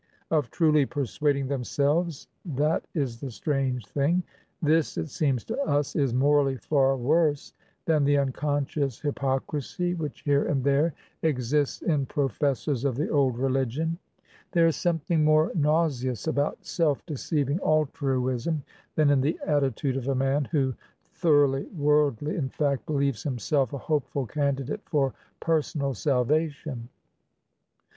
Of truly persuading themselvesthat is the strange thing. This, it seems to us, is morally far worse than the unconscious hypocrisy which here and there exists in professors of the old religion; there is something more nauseous about self deceiving 'altruism' than in the attitude of a man who, thoroughly worldly in fact, believes himself a hopeful candidate for personal salvation."